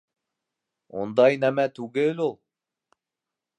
Ундай нәмә түгел ул!